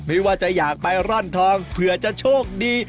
ไม่ว่าจะอยากไปร่อนทองเผื่อจะโชคดี